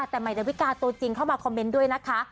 แต่ใหม่ดาวิกาตัวจริงเข้ามาคอมเมนต์ด้วยนะคะ